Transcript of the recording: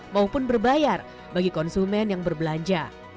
maupun berbayar bagi konsumen yang berbelanja